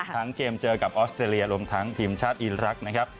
ทั้งเกมเจอกับออสเตรเลียรวมทั้งทีมชาติอีรักษ์นะครับ